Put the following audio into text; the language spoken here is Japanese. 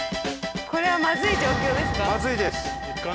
これはまずい状況ですか？